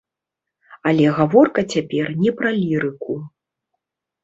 Але гаворка цяпер не пра лірыку.